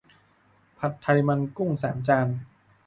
ผัดไทยมันกุ้ง สามจาน